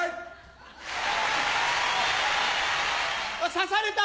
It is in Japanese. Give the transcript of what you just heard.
指された！